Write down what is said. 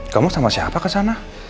kamu sama siapa kesana